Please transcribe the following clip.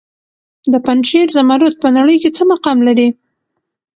د پنجشیر زمرد په نړۍ کې څه مقام لري؟